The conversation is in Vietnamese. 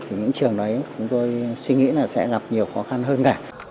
thì những trường đấy chúng tôi suy nghĩ là sẽ gặp nhiều khó khăn hơn cả